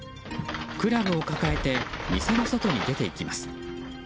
クラブを抱えて店の外に出ていきます。